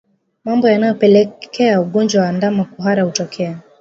Mambo yanayopelekea ugonjwa wa ndama kuhara kutokea